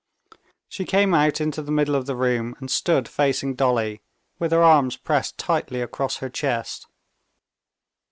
She came out into the middle of the room and stood facing Dolly, with her arms pressed tightly across her chest.